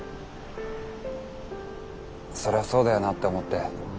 そりゃそうだよなって思って。